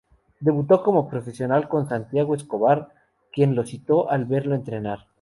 Debutó como profesional con Santiago Escobar quien lo citó al verlo entrenar.